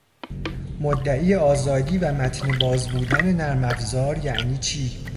مدعی آزادی و متنباز بودن نرمافزار یعنی چی؟